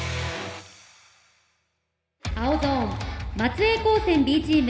青ゾーン松江高専Ｂチーム。